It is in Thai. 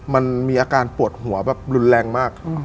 มันมีอาการปวดหัวแบบรุนแรงมาก